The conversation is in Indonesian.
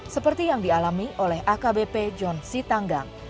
seperti yang dialami oleh akbp john c tanggang